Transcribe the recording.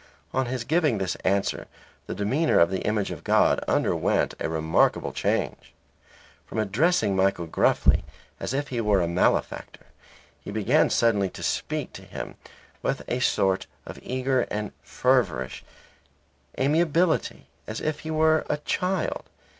On his giving this answer the demeanour of the image of God underwent a remarkable change. From addressing Michael gruffly, as if he were a malefactor, he began suddenly to speak to him with a sort of eager and feverish amiability as if he were a child.